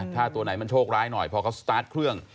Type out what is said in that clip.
ถ้าตัวไหนมันโชคร้ายหน่อยพอเขาสตาร์ทเครื่อง